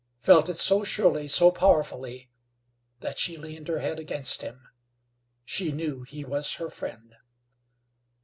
Felt it so surely, so powerfully that she leaned her head against him. She knew he was her friend.